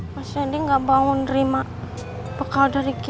mas rendy gak mau nerima bekal dari kiki